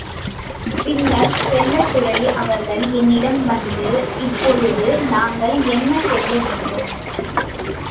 பின்னர் செல்லத்துரை அவர்கள் என்னிடம் வந்து இப்பொழுது நாங்கள் என்ன செய்யவேண்டும்?